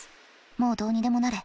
もうどうにでもなれ。